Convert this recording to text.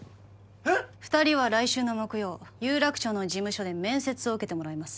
二人は来週の木曜有楽町の事務所で面接を受けてもらいます